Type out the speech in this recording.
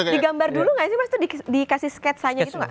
digambar dulu nggak sih mas dikasih sketch aja gitu nggak